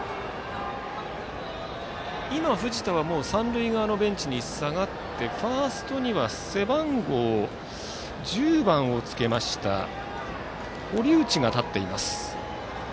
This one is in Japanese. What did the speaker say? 今、藤田は三塁側のベンチに下がってファーストには背番号１０番をつけました堀内が立っています。